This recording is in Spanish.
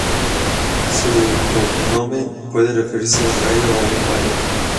Su "cognomen" puede referir a un gallo, o a un galo.